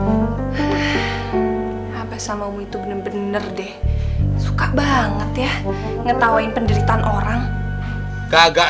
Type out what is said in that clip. bodi apa sama umu itu bener bener deh suka banget ya ngetawain penderitaan orang kagak